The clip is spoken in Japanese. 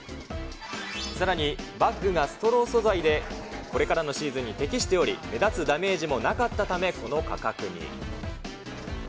さらに、バッグがストロー素材で、これからのシーズンに適しており、目立つダメージもなかったため、この価格に。